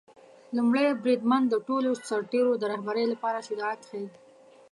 لومړی بریدمن د ټولو سرتیرو د رهبری لپاره شجاعت ښيي.